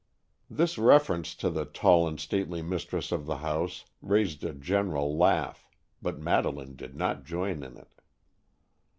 This reference to the tall and stately mistress of the house raised a general laugh, but Madeleine did not join in it.